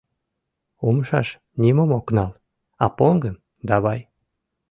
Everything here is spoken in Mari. Умшаш нимом ок нал, а поҥгым — давай!